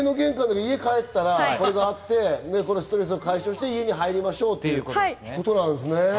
家に帰ったらこれがあって、ストレスを解消して家に入りましょうということなんですね。